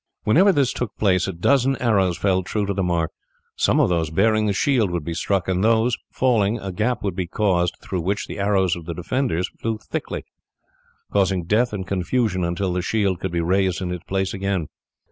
Whenever this took place a dozen arrows fell true to the mark. Some of those bearing the shield would be struck, and these falling, a gap would be caused through which the arrows of the defenders flew thickly, causing death and confusion until the shield could be raised in its place again.